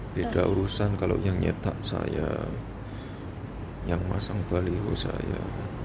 beda urusan kalau yang nyetak saya yang masang baliho saya